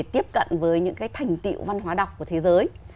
thành tiệu văn hóa đọc của thế giới